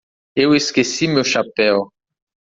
Eu esqueci meu chapéu.